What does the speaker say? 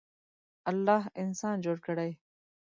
الله انسان جوړ کړی.